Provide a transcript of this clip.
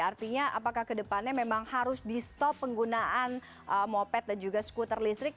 artinya apakah kedepannya memang harus di stop penggunaan moped dan juga skuter listrik